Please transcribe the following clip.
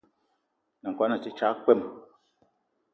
N’nagono a te tsag kpwem.